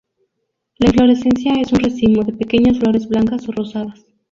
La inflorescencia es un racimo de pequeñas flores blancas o rosadas.